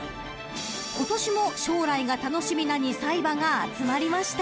［今年も将来が楽しみな２歳馬が集まりました］